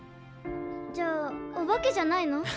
じゃあオバケじゃないの？